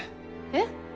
えっ？